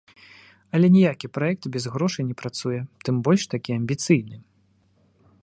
Але ніякі праект без грошай не працуе, тым больш такі амбіцыйны.